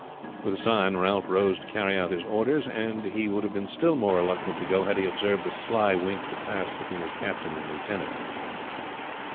With a sign Ralph rose to carry out his orders, and he would have been still more reluctant to go had he observed the sly wink that passed between his captain and lieutenant.